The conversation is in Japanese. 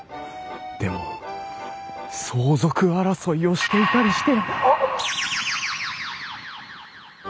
でも相続争いをしていたりして！